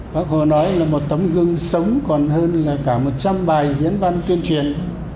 bác hồ nói là một tấm gương sống còn hơn là cả một trăm linh bài diễn văn tuyên truyền